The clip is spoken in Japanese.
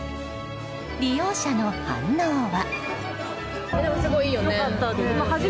利用者の反応は。